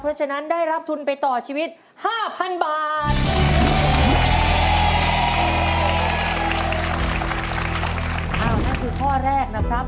เพราะฉะนั้นได้รับทุนมากครับ